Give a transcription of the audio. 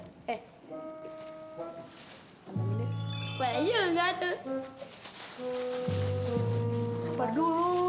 kita kantong gitu baru